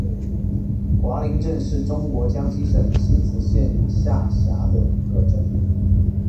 华林镇是中国江西省星子县下辖的一个镇。